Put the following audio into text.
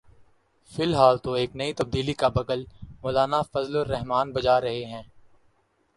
فی الحال تو ایک نئی تبدیلی کا بگل مولانا فضل الرحمان بجا رہے ہیں۔